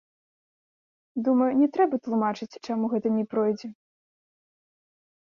Думаю, не трэба тлумачыць, чаму гэта не пройдзе.